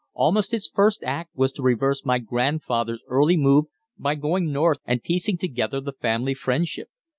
Almost his first act was to reverse my grandfather's early move by going north and piecing together the family friendship.